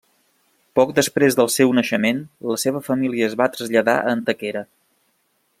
Poc després del seu naixement la seva família es va traslladar a Antequera.